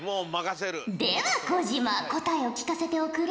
では小島答えを聞かせておくれ。